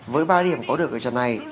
với ba điểm có được ở trận này